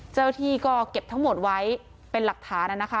เจ้าหน้าที่ก็เก็บทั้งหมดไว้เป็นหลักฐานนะคะ